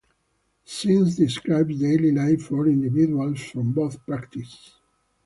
Singh describes daily life for individuals from both practices.